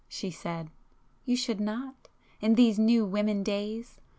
she said—"You should not,—in these 'new women' days!